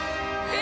え！